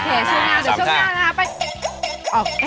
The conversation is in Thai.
โอเคช่วงหน้าช่วงหน้านะคะไป